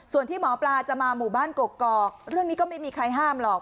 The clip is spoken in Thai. ส่วนที่หมอปลาจะมาหมู่บ้านกกอกเรื่องนี้ก็ไม่มีใครห้ามหรอก